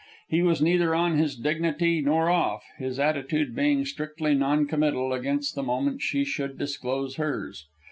He was neither on his dignity nor off, his attitude being strictly non committal against the moment she should disclose hers.